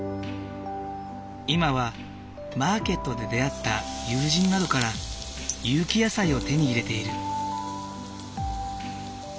今はマーケットで出会った友人などから有機野菜を手に入れている。